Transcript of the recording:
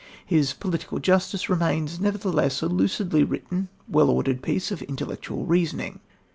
His Political Justice remains, nevertheless, a lucidly written, well ordered piece of intellectual reasoning.